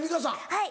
はい。